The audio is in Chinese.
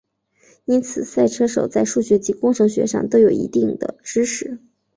因此赛车手在数学及工程学上都有一定的知识。